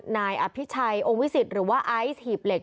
นายอภิชัยองค์วิสิตหรือว่าไอซ์หีบเหล็ก